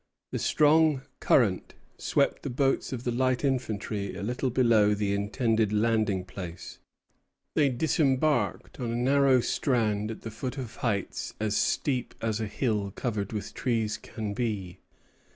The strong current swept the boats of the light infantry a little below the intended landing place. They disembarked on a narrow strand at the foot of heights as steep as a hill covered with trees can be.